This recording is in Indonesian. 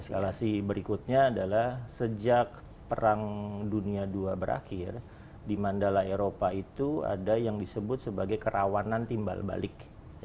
eskalasi berikutnya adalah sejak perang dunia ii berakhir di mandala eropa itu ada yang disebut sebagai kerawanan timbal balik